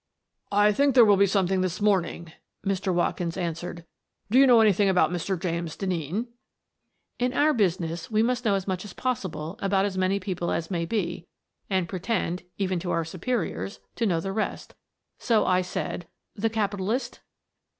" I think there will be something this morning," Mr. Watkins answered " Do you know anything about Mr. James J. Denneen? " In our business we must know as much as pos sible about as many people as may be, and pretend — even to our superiors — to know the rest, so I said: "The capitalist?"